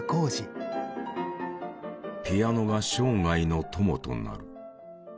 ピアノが生涯の友となる。